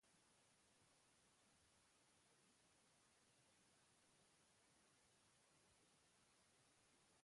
Ehun trinkoz osaturik dago, adar nagusien oinarrian izan ezik.